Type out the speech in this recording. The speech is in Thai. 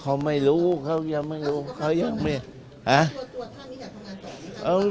เขาไม่รู้เขายังไม่รู้เขายังไม่